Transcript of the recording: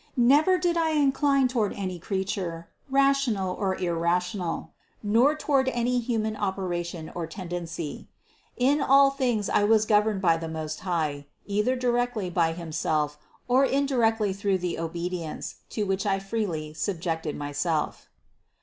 Never did I in cline toward any creature, rational or irrational, nor to ward any human operation or tendency. But in all things I was governed by the Most High, either directly by Himself or indirectly through the obedience, to which I freely subjected myself.